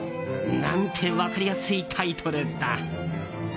何て分かりやすいタイトルだ。